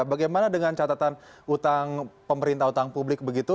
bagaimana dengan catatan utang pemerintah utang publik begitu